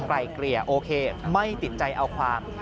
ไกลเกลี่ยโอเคไม่ติดใจเอาความ